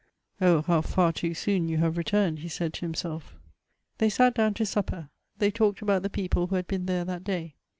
Oh ! how far too soon you have returned, he said to him self. They sat down to supper. They talked about the people who had been there that day.